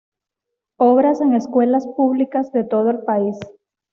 Obras en escuelas públicas de todo el país.